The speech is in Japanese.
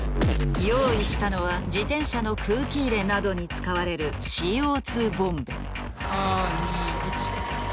用意したのは自転車の空気入れなどに使われるＣＯ２ボンベ。